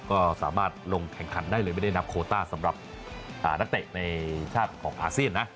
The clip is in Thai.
ก็สามารถลงแข่งขันได้เลยไม่ได้นับโคต้าสำหรับนักเตะในชาติของอาเซียนนะ